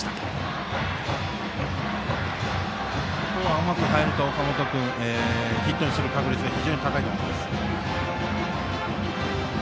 甘く入ると、岡本君ヒットにする確率が非常に高いと思います。